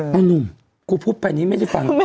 ไม่ฟังนะจริง